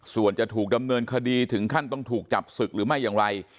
ส่วนจะถูกดำเนินคดีถึงขั้นต้องถูกจับศึกหรือไม่อย่างไร